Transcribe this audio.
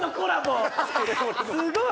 ・すごい！